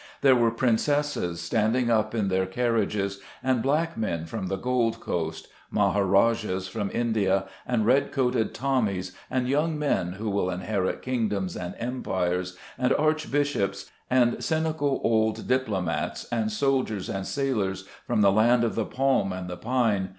There were princesses standing up in their carnages, and black men from the Gold Coast, Mahara jahs from India, and red coated Tommies, and young men who will inherit kingdoms and empires, and archbishops, and cynical old diplomats, and soldiers and sailors from the ■ land of the palm and the pine